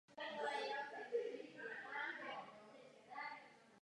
Chcete-li něco jiného, tak mi to řekněte.